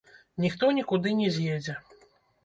Ніхто нікуды не з'едзе.